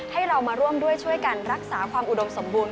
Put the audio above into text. ให้เรามาร่วมด้วยช่วยกันรักษาความอุดมสมบูรณ